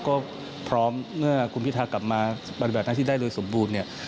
ก็พร้อมเมื่อคุณพิทธากลับมาบรรยากาศนาที่ได้เลยสมบูรณ์